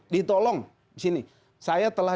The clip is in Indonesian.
ditolong di sini saya telah